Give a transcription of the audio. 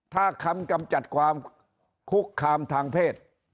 ถ้าคำกำจัดความคุกคามทางเพศ